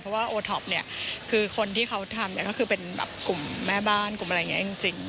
เพราะว่าโอท็อปคนที่เขาทำเป็นกลุ่มแม่บ้านอะไรอย่างนี้จริง